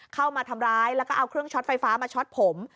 เข้ามาทำร้ายแล้วก็เอาเครื่องช็อตไฟฟ้ามาช็อตผม